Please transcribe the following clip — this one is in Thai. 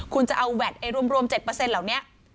คุณจะเอาแหว่นรวม๗เปอร์เซ็นต์เหล่านี้